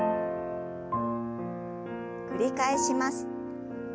繰り返します。